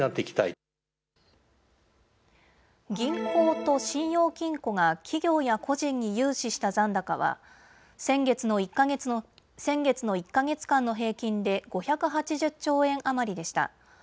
銀行と信用金庫が企業や個人に融資した残高は先月の１か月間の平均で５８０兆円余りでした。